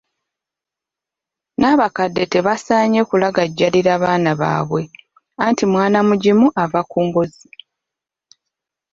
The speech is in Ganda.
N'abakadde tebasaanye kulagajjalira abaana baabwe, anti mwana mugimu ava ku ngozi.